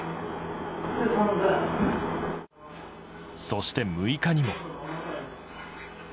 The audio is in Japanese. そして、６日にも。